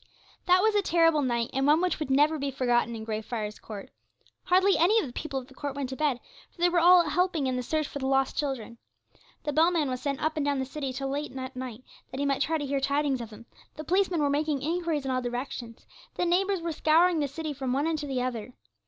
That was a terrible night, and one which would never be forgotten in Grey Friars Court. Hardly any of the people of the court went to bed, for they were all helping in the search for the lost children. The bellman was sent up and down the city till late at night, that he might try to hear tidings of them; the policemen were making inquiries in all directions; the neighbours were scouring the city from one end to the other.